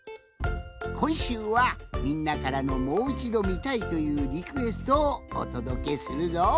こんしゅうはみんなからのもういちどみたいというリクエストをおとどけするぞ。